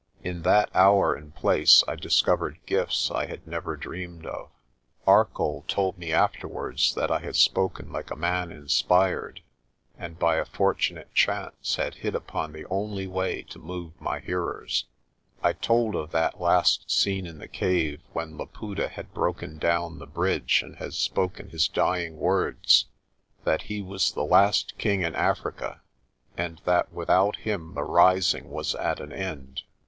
In that hour and place I discovered gifts I had never dreamed of. Arcoll told me afterwards that I had spoken like a man inspired, and by a fortunate chance had hit upon the only way to move my hearers. I told of that A GREAT PERIL 263 last scene in the cave, when Laputa had broken down the bridge and had spoken his dying words that he was the last king in Africa and that without him the rising was at an end.